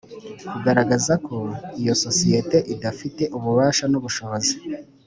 Kugaragazako iyo sosiyete idafite ububasha n’ubushobozi